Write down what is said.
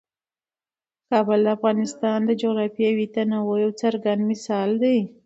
کابل د افغانستان د جغرافیوي تنوع یو څرګند مثال دی.